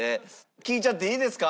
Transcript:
聞いちゃっていいですか？